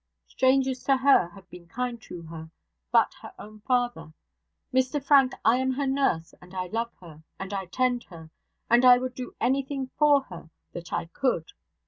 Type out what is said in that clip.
Strangers to her have been kind to her; but her own father Mr Frank, I am her nurse, and I love her, and I tend her, and I would do anything for her that I could.